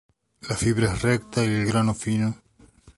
La fibra es recta y el grano fino.